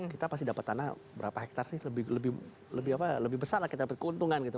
kita pasti dapat tanah berapa hektare sih lebih besar lah kita dapat keuntungan gitu